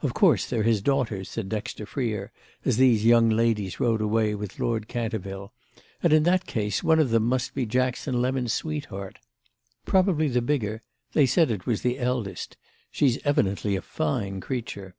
"Of course they're his daughters," said Dexter Freer as these young ladies rode away with Lord Canterville; "and in that case one of them must be Jackson Lemon's sweetheart. Probably the bigger; they said it was the eldest. She's evidently a fine creature."